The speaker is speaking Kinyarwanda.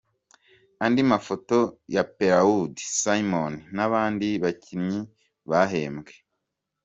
Andi mafoto ya Pellaud Simon n’abandi bakinnyi bahembwa.